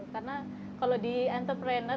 karena kalau di entrepreneur